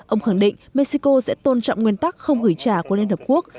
ông khẳng định mexico sẽ tôn trọng nguyên tắc không gửi trả của liên hợp quốc